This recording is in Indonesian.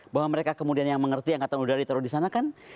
bahwa mereka kemudian yang mengerti yang katanya udah ditaruh di sana kan